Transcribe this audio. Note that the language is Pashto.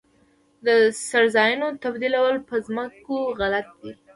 د څړځایونو تبدیلول په ځمکو غلط دي.